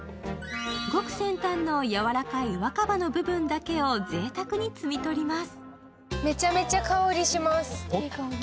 ごく先端のやわらかい若葉の部分だけをぜいたくに摘み取ります。